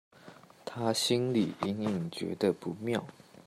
她心裡隱隱覺得不妙